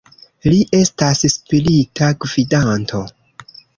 Li estas spirita gvidanto.